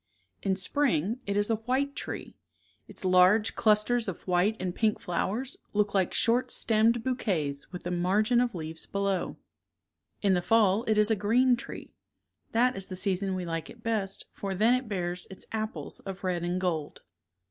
In spring it is a white tree. Its large ifj ,\\\'^ clusters of white and li l/ilMlt ^4»v —*^« pink flowe,.look like '^'"^^\^' short stemmed bouquets with a margm of leaves below. In the fall it is a green tree. That is the season we like it best for then it bears its apples of red and gold.